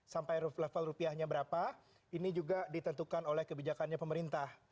sampai level rupiahnya berapa ini juga ditentukan oleh kebijakannya pemerintah